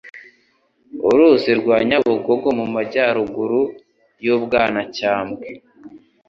uruzi rwa Nyabugogo mu majyaruguru y'u Bwanacyambwe.